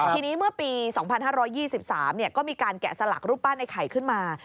ทีนี้เมื่อปี๒๕๒๓ก็มีการแกะสลักรูปปั้นไอ้ไข่ขึ้นมา